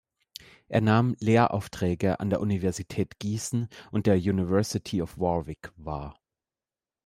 Er nahm Lehraufträge an der Universität Gießen und der University of Warwick wahr.